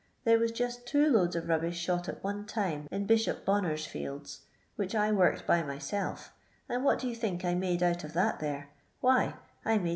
There was jist two loads o' rubbish shot at one time in Bishop Bonner's fields, which I worked by myself, and what do you think I made out of that there 1 — why I made 3